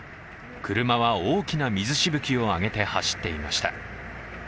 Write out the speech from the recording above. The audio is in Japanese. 車は大きな水しぶきを上げて走っていました。